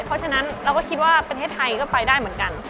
เพราะฉะนั้นเราก็คิดว่าประเทศไทยก็ไปได้เหมือนกัน